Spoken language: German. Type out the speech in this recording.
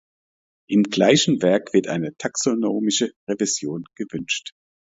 Im gleichen Werk wird eine taxonomische Revision gewünscht.